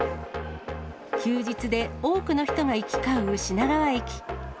休日で多くの人が行き交う品川駅。